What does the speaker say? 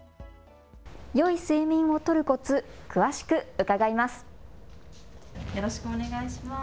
よい睡眠をとるコツ詳しく伺います。